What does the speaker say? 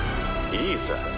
いいさ。